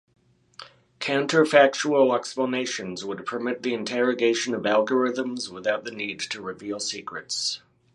Counterfactual explanations would permit the interrogation of algorithms without the need to reveal secrets.